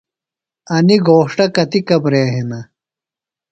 انیۡ گھوݜٹہ کتیۡ کمرے ہِنہ؟